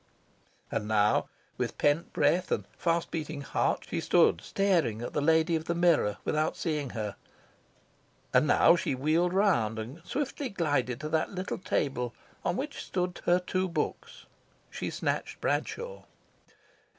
And now, with pent breath and fast beating heart, she stood staring at the lady of the mirror, without seeing her; and now she wheeled round and swiftly glided to that little table on which stood her two books. She snatched Bradshaw.